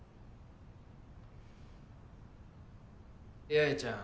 八重ちゃん